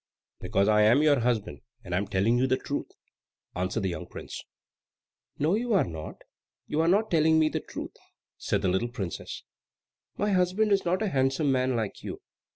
"Because I am your husband. I am telling you the truth," answered the young prince. "No you are not, you are not telling me the truth," said the little princess. "My husband is not a handsome man like you.